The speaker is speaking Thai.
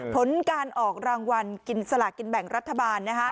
ผลการออกรางวัลกินสลากินแบ่งรัฐบาล